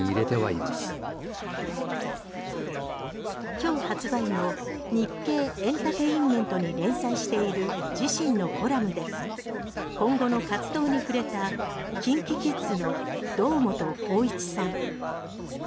今日発売の「日経エンタテインメント！」に連載している自身のコラムで今後の活動に触れたＫｉｎＫｉＫｉｄｓの堂本光一さん。